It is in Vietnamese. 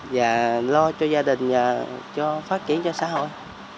và lo cho gia đình cho phát triển cho xã hội